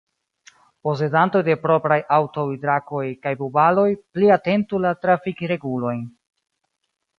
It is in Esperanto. Posedantoj de propraj aŭtoj – Drakoj kaj Bubaloj – pli atentu la trafikregulojn.